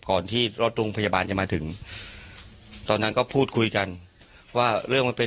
ก่อนที่รถโรงพยาบาลจะมาถึงตอนนั้นก็พูดคุยกันว่าเรื่องมันเป็น